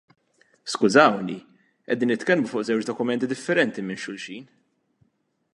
Skużawni, qegħdin nitkellmu fuq żewġ dokumenti differenti minn xulxin.